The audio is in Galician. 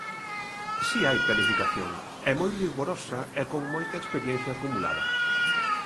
Si hai planificación, e moi rigorosa e con moita experiencia acumulada.